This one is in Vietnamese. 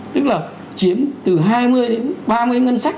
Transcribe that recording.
tức là chiếm từ hai mươi đến ba mươi ngân sách